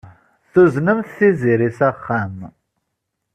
Tuznemt Tiziri s axxam.